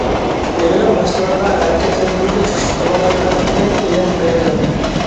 نېمىنىڭ باشقىلارغا ھەرىكەتلەندۈرگۈچ كۈچ بولالايدىغانلىقىنى ئېنىق بىلىۋېلىڭ.